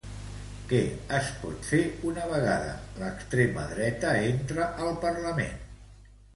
Què es pot fer una vegada l’extrema dreta entra al parlament?